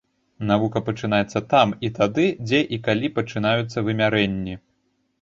Навука пачынаецца там і тады, дзе і калі пачынаюцца вымярэнні.